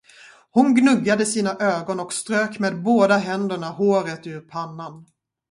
Hon gnuggade sina ögon och strök med båda händerna håret ur pannan.